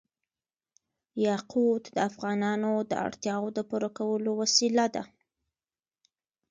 یاقوت د افغانانو د اړتیاوو د پوره کولو وسیله ده.